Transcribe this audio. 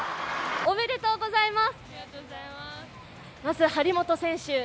おめでとうございます！